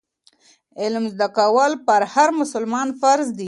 علم زده کول پر هر مسلمان فرض دي.